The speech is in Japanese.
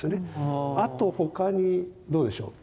あと他にどうでしょう